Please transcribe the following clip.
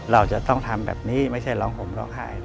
เราจะต้องทำแบบนี้ไม่ใช่ร้องห่มร้องไห้